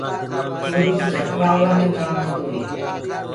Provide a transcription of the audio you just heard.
ڪوئيِلو جھڪ بآݪوآ مي ڪآن آندو هي۔